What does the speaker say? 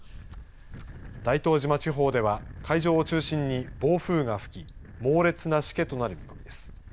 大東島地方では海上を中心に暴風が吹き猛烈なしけとなる見込みです。